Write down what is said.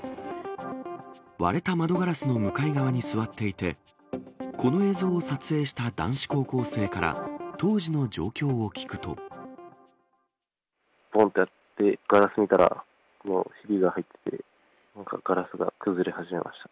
割れた窓ガラスの向かい側に座っていて、この映像を撮影した男子高校生から、どんってなって、ガラス見たら、ひびが入ってて、ガラスが崩れ始めました。